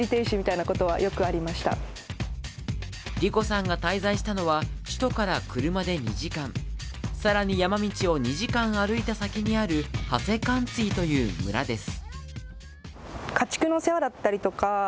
莉瑚さんが滞在したのは首都から車で２時間、更に山道を２時間歩いた先にあるハ・セカンツィという村です。